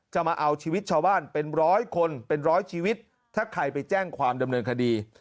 มาเอาชีวิตชาวบ้านเป็นร้อยคนเป็นร้อยชีวิตถ้าใครไปแจ้งความดำเนินคดี